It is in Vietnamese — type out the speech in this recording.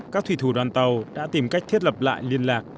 các thủy thủ đoàn tàu đã tìm cách thiết lập lại liên lạc